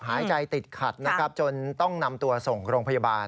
หายใจติดขัดนะครับจนต้องนำตัวส่งโรงพยาบาล